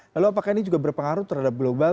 lalu apakah ini juga berpengaruh terhadap global